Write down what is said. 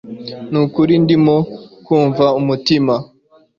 nukurindimo kumva umutima